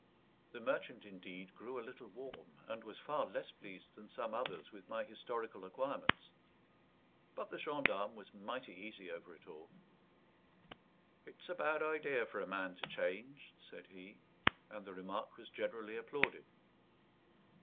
The merchant, indeed, grew a little warm, and was far less pleased than some others with my historical acquirements. But the gendarme was mighty easy over it all. "It's a bad idea for a man to change," said he; and the remark was generally applauded.